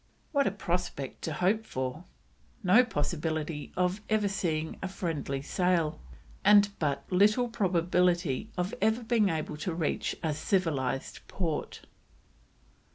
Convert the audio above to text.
What a prospect to hope for! No possibility of ever seeing a friendly sail, and but little probability of ever being able to reach a civilised port.